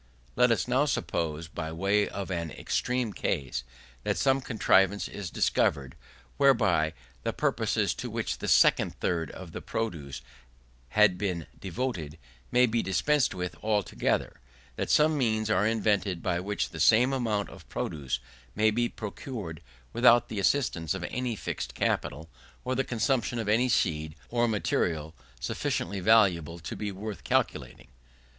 Let us now suppose, by way of an extreme case, that some contrivance is discovered, whereby the purposes to which the second third of the produce had been devoted, may be dispensed with altogether: that some means are invented by which the same amount of produce may be procured without the assistance of any fixed capital, or the consumption of any seed or material sufficiently valuable to be worth calculating.